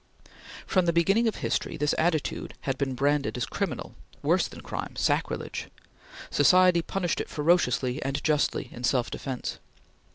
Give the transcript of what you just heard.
From the beginning of history, this attitude had been branded as criminal worse than crime sacrilege! Society punished it ferociously and justly, in self defence.